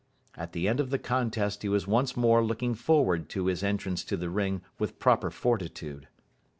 At the end of the contest he was once more looking forward to his entrance to the ring with proper fortitude.